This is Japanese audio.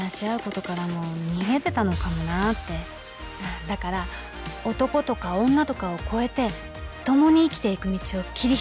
だから男とか女とかを超えて共に生きていく道を切り開いていきたい。